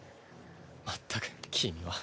まったく君は。